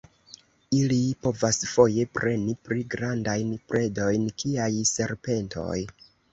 Ili povas foje preni pli grandajn predojn kiaj serpentoj.